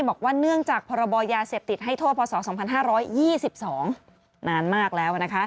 บอกว่าเนื่องจากพรบยาเสพติดให้โทษพศ๒๕๒๒นานมากแล้ว